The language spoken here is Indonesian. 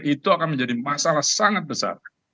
itu akan menjadi masalah sangat besar